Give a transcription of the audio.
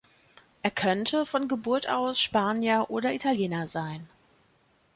Er könnte von Geburt aus Spanier oder Italiener sein.